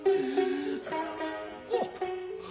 おっ。